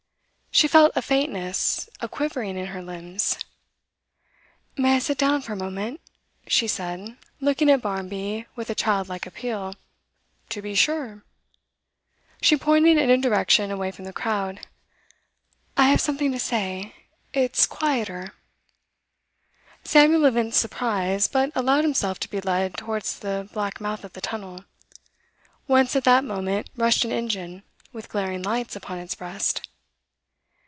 She felt a faintness, a quivering in her limbs. 'May I sit down for a moment?' she said, looking at Barmby with a childlike appeal. 'To be sure.' She pointed in a direction away from the crowd. 'I have something to say it's quieter ' Samuel evinced surprise, but allowed himself to be led towards the black mouth of the tunnel, whence at that moment rushed an engine with glaring lights upon its breast.